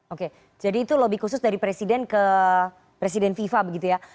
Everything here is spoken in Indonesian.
oke jadi itu lobby khusus dari presiden ke presiden fifa begitu ya